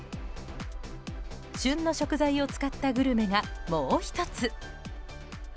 旬の食材を使ったグルメがもう１つ。